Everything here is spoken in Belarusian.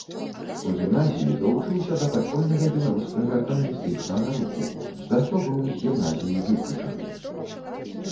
У гімназіі далучыўся да падпольнага беларускага камуністычнага руху, за што быў з гімназіі выключаны.